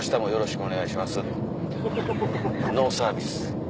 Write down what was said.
ノーサービス。